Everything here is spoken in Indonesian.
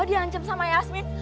lo di ancam sama yasmin